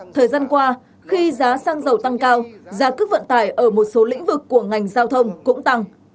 thời gian qua khi giá xăng dầu tăng cao giá cước vận tải ở một số lĩnh vực của ngành giao thông cũng tăng